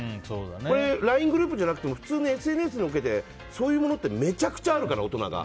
これ、ＬＩＮＥグループじゃなく普通のＳＮＳとかでもそういうものってめちゃくちゃあるから、大人が。